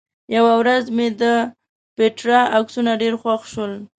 یوه ورځ مې د پېټرا عکسونه ډېر خوښ شول.